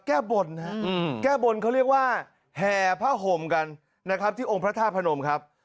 แก้บทนะครับแก้บทเขาเรียกว่าแห่พ่อห่มกันนะครับที่องค์พระท่าพนมครับ